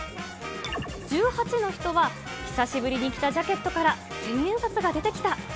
１８の人は、久しぶりに着たジャケットから千円札が出てきた。